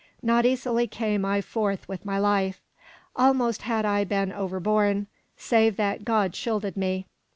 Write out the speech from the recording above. Not easily came I forth with my life. Almost had I been over borne, save that God shielded me.